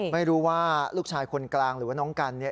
ไม่รู้ว่าลูกชายคนกลางหรือว่าน้องกันเนี่ย